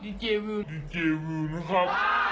ดีเจอร์วิวดีเจอร์วิวนะครับ